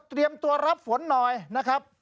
เตรียมตัวรับฝนหน่อยนะครับ